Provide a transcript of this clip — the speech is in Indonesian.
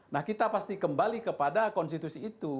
nah kita pasti kembali kepada konstitusi itu